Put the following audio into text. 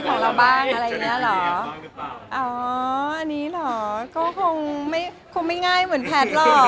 ก็เป็นสิ่งกำลังเหมือนกันนะ